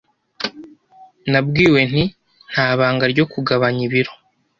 nabwiwe nti: "nta banga ryo kugabanya ibiro."